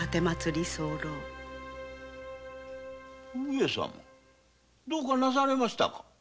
上様どうかなさいましたか？